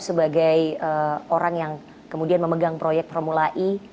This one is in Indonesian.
sebagai orang yang kemudian memegang proyek formulai